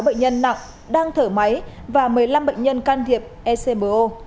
bệnh nhân nặng đang thở máy và một mươi năm bệnh nhân can thiệp ecbo